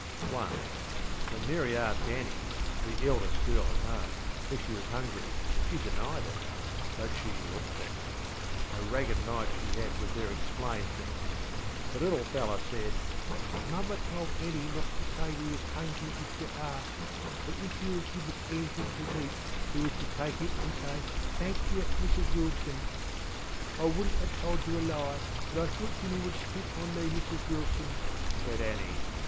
Once, when Mary asked Annie, the eldest girl at home, if she was hungry, she denied itŌĆöbut she looked it. A ragged mite she had with her explained things. The little fellow saidŌĆö ŌĆśMother told Annie not to say we was hungry if yer asked; but if yer give us anythink to eat, we was to take it anŌĆÖ say thenk yer, Mrs Wilson.ŌĆÖ ŌĆśI wouldnŌĆÖt ŌĆÖaŌĆÖ told yer a lie; but I thought Jimmy would split on me, Mrs Wilson, ŌĆÖ said Annie.